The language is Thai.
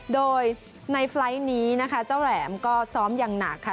โดยในไฟล์ทนี้นะคะเจ้าแหลมก็ซ้อมอย่างหนักค่ะ